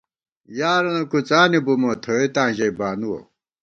یارَنہ کُڅانی بُمہ ، تھوئېتاں ژَئی بانُوَہ